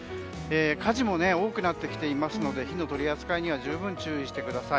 火事も多くなってきていますので火の取り扱いには十分注意してください。